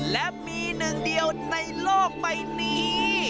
และมีหนึ่งเดียวในโลกใบนี้